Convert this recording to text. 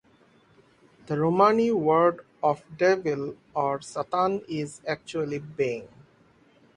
The Romani word for devil, or Satan, is actually "Beng".